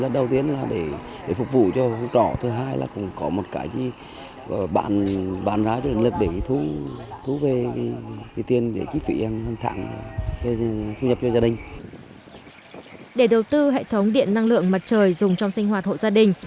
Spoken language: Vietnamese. để đầu tư hệ thống điện năng lượng mặt trời dùng trong sinh hoạt hộ gia đình